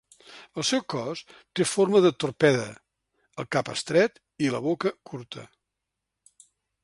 El seu cos té forma de torpede, el cap estret i la boca curta.